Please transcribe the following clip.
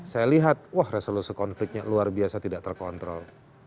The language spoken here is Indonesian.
saya lihat wah resolusi konfliknya luar biasa tidak terkontrol